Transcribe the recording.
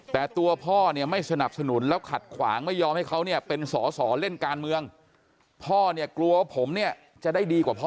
แต่ตัวพ่อเนี่ยไม่สนับสนุนแล้วขัดขวางไม่ยอมให้เขาเนี่ยเป็นสอสอเล่นการเมืองพ่อเนี่ยกลัวว่าผมเนี่ยจะได้ดีกว่าพ่อ